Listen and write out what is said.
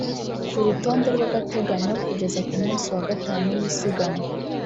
Ku rutonde rw’agateganyo kugeza ku munsi wa gatanu w’isiganwa